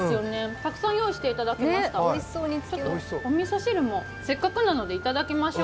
たくさん用意していただきました。